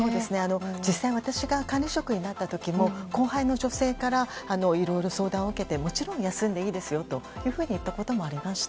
実際、私が管理職になった時も後輩の女性からいろいろ相談を受けてもちろん休んでいいですよと言ったこともありました。